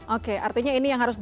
oke artinya ini yang menurut anda